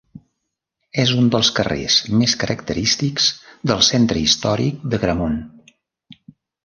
És un dels carrers més característics del centre històric d'Agramunt.